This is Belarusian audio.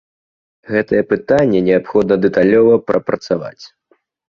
Гэтае пытанне неабходна дэталёва прапрацаваць.